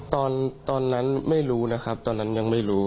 ตอนนั้นไม่รู้นะครับตอนนั้นยังไม่รู้